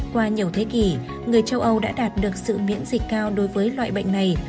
qua nhiều thế kỷ người châu âu đã đạt được sự miễn dịch cao đối với loại bệnh này